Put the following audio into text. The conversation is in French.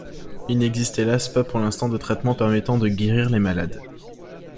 Il n'existe hélas pas pour l'instant de traitement permettant de guérir les malades.